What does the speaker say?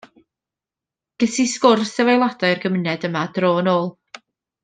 Ges i sgwrs efo aelodau o'r gymuned yma dro yn ôl.